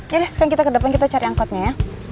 ya sekarang kita ke depan kita cari angkotnya ya